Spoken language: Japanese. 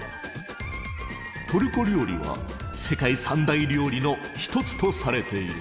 トルコ料理は世界三大料理の一つとされている。